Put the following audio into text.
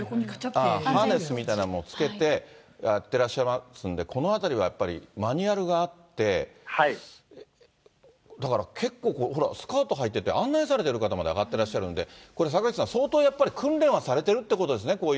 ハーネスみたいなものをつけてやってらっしゃいますんで、この中ではやっぱりマニュアルがあって、だから結構、ほら、スカートはいてて、案内されてる方まで上がってらっしゃるんで、坂口さん、相当やっぱり、訓練はされているということですね。